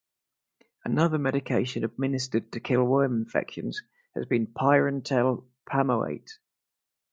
Another medication administered to kill worm infections has been pyrantel pamoate.